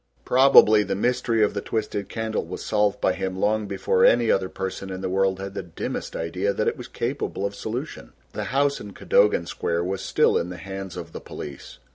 Probably the mystery of the twisted candle was solved by him long before any other person in the world had the dimmest idea that it was capable of solution. The house in Cadogan Square was still in the hands of the police.